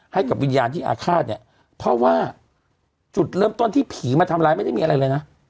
ให้กับวิญญาณที่อาฆาตเนี่ยเพราะว่าจุดเริ่มต้นที่ผีมาทำร้ายไม่ได้มีอะไรเลยนะ